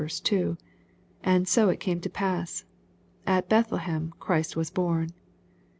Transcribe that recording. And so it came to pass. At Bethlehem Christ was born.